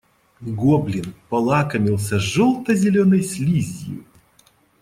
Гоблин полакомился желто-зеленой слизью.